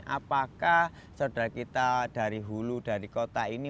apakah saudara kita dari hulu dari kota ini